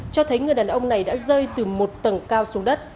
cho thấy người đàn ông này đã rơi từ một tầng cao xuống đất